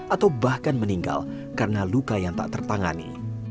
atau bahkan meninggal karena luka yang tak tertangani